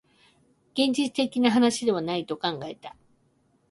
現実的な話ではないと考えた